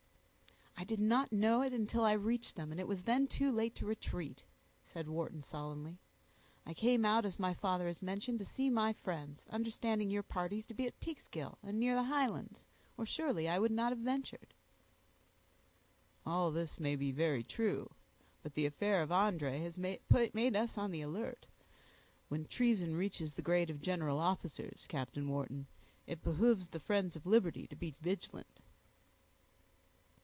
"I did not know it until I reached them, and it was then too late to retreat," said Wharton sullenly. "I came out, as my father has mentioned, to see my friends, understanding your parties to be at Peekskill, and near the Highlands, or surely I would not have ventured." "All this may be very true; but the affair of André has made us on the alert. When treason reaches the grade of general officers, Captain Wharton, it behooves the friends of liberty to be vigilant."